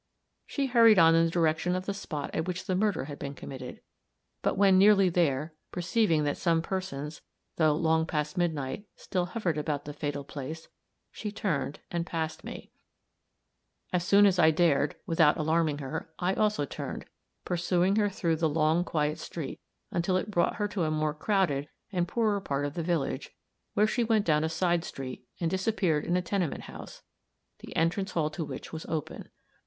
She hurried on in the direction of the spot at which the murder had been committed; but when nearly there, perceiving that some persons, though long past midnight, still hovered about the fatal place, she turned, and passed me. As soon as I dared, without alarming her, I also turned, pursuing her through the long, quiet street, until it brought her to a more crowded and poorer part of the village, where she went down a side street, and disappeared in a tenement house, the entrance hall to which was open.